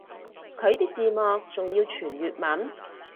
佢啲字幕仲要全粵文